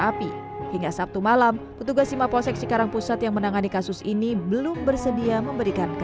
kan biasanya anak posen dari sini langsung kalau ke bawah yaudah dibawa